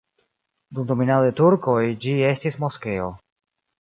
Dum dominado de turkoj ĝi estis moskeo.